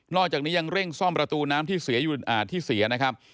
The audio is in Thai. นอกจากนี้ยังเร่งซ่อมประตูน้ำที่เสีย